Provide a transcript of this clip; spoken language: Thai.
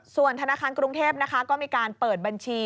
ส่วนธนาคารกรุงเทพนะคะก็มีการเปิดบัญชี